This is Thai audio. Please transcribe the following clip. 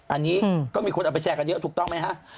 อันนี้ก็มีคนเอาไปแชร์กันเยอะถูกต้องไหมฮะ